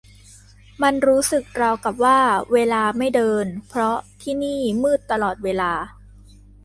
มันรู้สึกราวกับว่าเวลาไม่เดิน เพราะที่นี่มืดตลอดเวลา